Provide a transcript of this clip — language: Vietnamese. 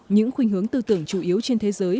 những khuyên hướng tư tưởng chủ yếu trên thế giới